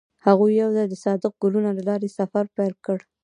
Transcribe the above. هغوی یوځای د صادق ګلونه له لارې سفر پیل کړ.